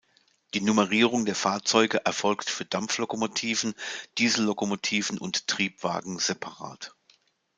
Die Nummerierung der Fahrzeuge erfolgt für Dampflokomotiven, Diesellokomotiven und Triebwagen separat.